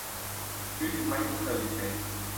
ยูนิค ไมนิ่ง เซอร์วิสเซส